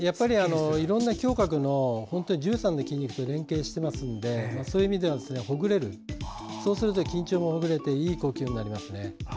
胸郭は１３の筋肉と連動していますのでそういう意味ではほぐれるそうすると緊張もほぐれていい呼吸になります。